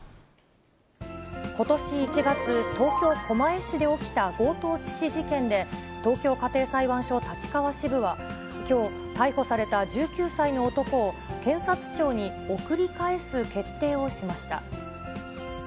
ことし１月、東京・狛江市で起きた強盗致死事件で、東京家庭裁判所立川支部はきょう、逮捕された１９歳の男を、検察庁に送り返す決定をしました。